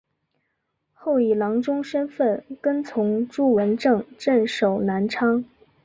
后以郎中身份跟从朱文正镇守南昌。